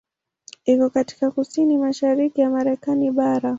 Iko katika kusini-mashariki ya Marekani bara.